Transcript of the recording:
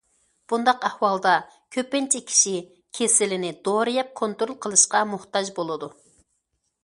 بۇنداق ئەھۋالدا كۆپىنچە كىشى كېسىلىنى دورا يەپ كونترول قىلىشقا موھتاج بولىدۇ.